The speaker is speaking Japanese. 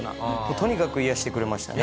とにかく癒やしてくれましたね。